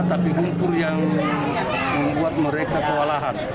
tapi lumpur yang membuat mereka kewalahan